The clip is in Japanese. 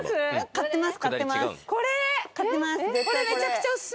買ってます。